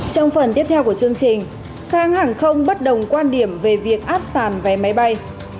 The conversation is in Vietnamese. trong phần tiếp theo của chương trình hãng hàng không bất đồng quan điểm về việc áp sản vé máy bay